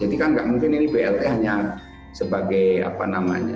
jadi kan nggak mungkin ini blt hanya sebagai apa namanya